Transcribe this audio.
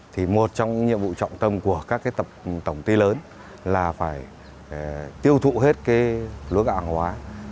thì một trong nhiệm vụ trọng tâm của các tổng tư lớn là phải tiêu thụ hết lúa gạo hàng hóa